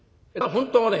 本当にね。